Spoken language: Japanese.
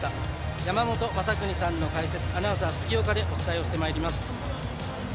山本昌邦さんの解説アナウンサーは杉岡でお伝えしてまいります。